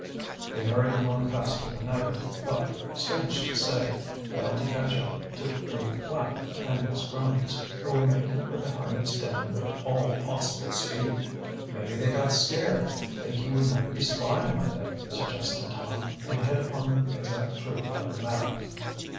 They hurried along faster than ever but, strange to say, failed to catch up to Lew Flapp and his cronies, who were making for the hermit's den with all possible speed. "Maybe they got scared, thinking we might be spying on them," suggested Tom, and hit upon the exact truth of the matter.